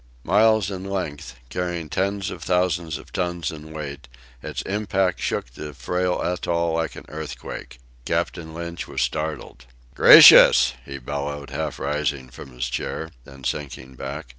Miles in length, carrying tens of thousands of tons in weight, its impact shook the frail atoll like an earthquake. Captain Lynch was startled. "Gracious!" he bellowed, half rising from his chair, then sinking back.